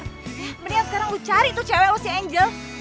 ya mendingan sekarang lo cari tuh cewek lo si angel